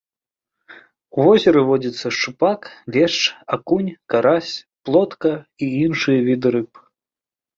У возеры водзяцца шчупак, лешч, акунь, карась, плотка і іншыя віды рыб.